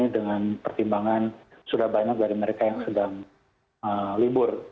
dengan pertimbangan sudah banyak dari mereka yang sedang libur